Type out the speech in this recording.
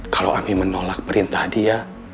kalau kami menolak perintah dia